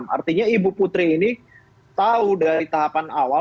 artinya ibu putri ini tahu dari tahapan awal